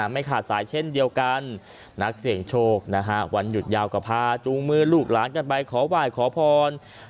ไม่ขาดสายเช่นเดียวกันนักเสี่ยงโชคนะฮะวันหยุดยาวก็พาจูงมือลูกหลานกันไปขอไหว้ขอพร